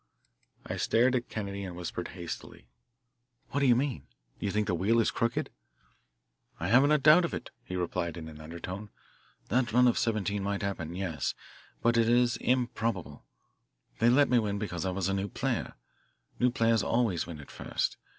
I started at Kennedy's tone and whispered hastily: "What do you mean? Do you think the wheel is crooked?" "I haven't a doubt of it," he replied in an undertone. "That run of '17' might happen yes. But it is improbable. They let me win because I was a new player new players always win at first.